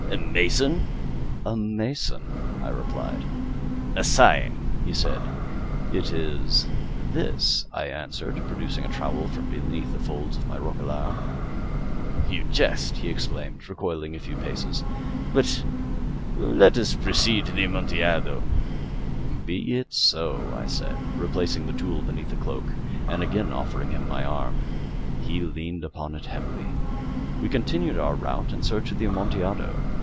A mason?" "A mason," I replied. "A sign," he said, "a sign." "It is this," I answered, producing a trowel from beneath the folds of my roquelaire. "You jest," he exclaimed, recoiling a few paces. "But let us proceed to the Amontillado." "Be it so," I said, replacing the tool beneath the cloak and again offering him my arm. He leaned upon it heavily. We continued our route in search of the Amontillado.